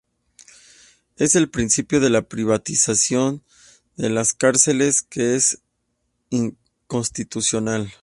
Es el principio de la privatización de las cárceles que es inconstitucional.